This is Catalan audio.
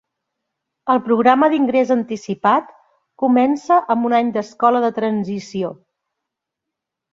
El programa d'ingrés anticipat comença amb un any d'escola de transició.